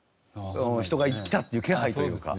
人が来たっていう気配というか。